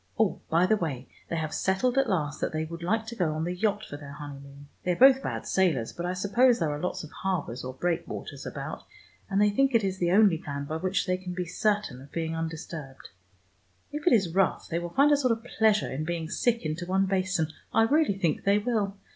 Oh, by the way, they have settled at last that they would like to go on the yacht for their honeymoon. They are both bad sailors, but I suppose there are lots of harbors or breakwaters about, and they think it is the only plan by which they can be certain of being undisturbed. If it is rough, they will find a sort of pleasure in being sick into one basin: I really think they will.